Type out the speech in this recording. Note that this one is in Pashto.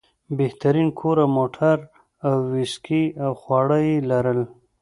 بهترین کور او موټر او ویسکي او خواړه یې لرل.